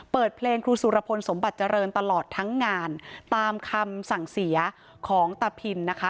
เปิดเพลงครูสุรพลสมบัติเจริญตลอดทั้งงานตามคำสั่งเสียของตะพินนะคะ